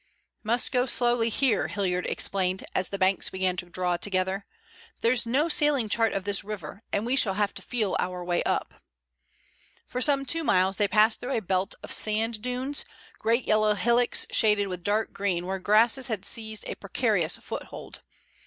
"Must go slowly here," Hilliard explained, as the banks began to draw together. "There's no sailing chart of this river, and we shall have to feel our way up." For some two miles they passed through a belt of sand dunes, great yellow hillocks shaded with dark green where grasses had seized a precarious foothold.